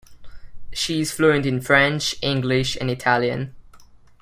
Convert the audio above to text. She is fluent in French, English, and Italian.